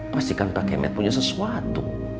pastikan pak kemen punya sesuatu